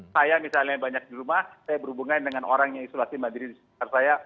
saya misalnya banyak di rumah saya berhubungan dengan orang yang isolasi mandiri di sekitar saya